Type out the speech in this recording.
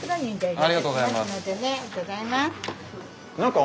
ありがとうございます。